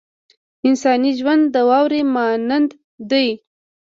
انساني ژوند د واورې مانند دی.